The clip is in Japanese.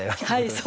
はい。